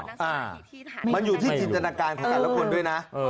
อ่ามันอยู่ที่จินตนาการของแต่ละคนด้วยนะ